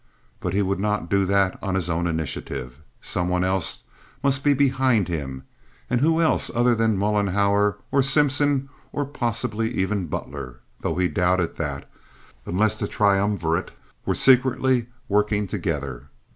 But he would not do that on his own initiative. Some one else must be behind him and who else other than Mollenhauer, or Simpson, or possibly even Butler, though he doubted that, unless the triumvirate were secretly working together.